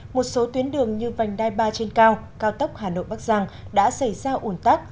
một số tuyến đường như vành đai ba trên cao cao tốc hà nội bắc giang đã xảy ra ủn tắc